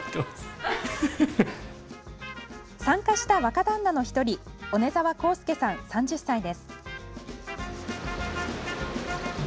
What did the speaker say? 参加した若旦那の一人、小根澤宏介さん３０歳です。